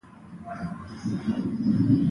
مېوې د افغانستان د ټولنې لپاره بنسټيز رول لري.